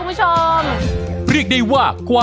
ขอบคุณมากค่ะ